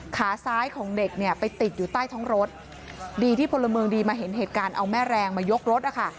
ขาซ้ายของเด็กเนี่ยไปติดอยู่ใต้ท้องรถดีที่พลเมืองดีมาเห็นเหตุการณ์เอาแม่แรงมายกรถนะคะ